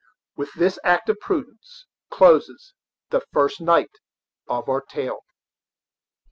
With this act of prudence closes the first night of our tale.